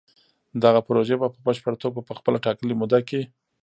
دغه پروژې به په پشپړه توګه په خپله ټاکلې موده کې